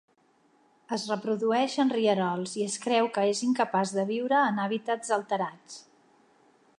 Es reprodueix en rierols i es creu que és incapaç de viure en hàbitats alterats.